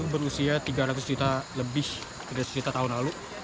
kayu berusia tiga ratus juta lebih dari seratus juta tahun lalu